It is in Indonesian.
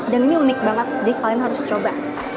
dan ini unik banget jadi kalian harus coba